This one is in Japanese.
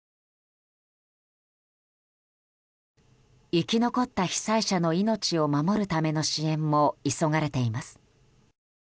生き残った被災者の命を守るための支援も急がれています。